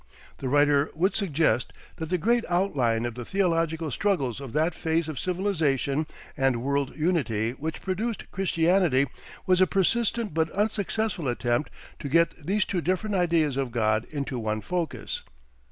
The writer would suggest that the great outline of the theological struggles of that phase of civilisation and world unity which produced Christianity, was a persistent but unsuccessful attempt to get these two different ideas of God into one focus.